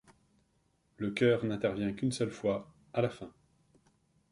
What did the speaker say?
Le chœur n'intervient qu'une seule fois, à la fin.